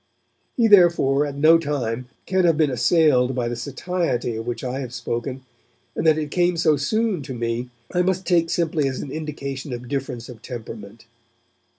He, therefore, at no time can have been assailed by the satiety of which I have spoken, and that it came so soon to me I must take simply as an indication of difference of temperament.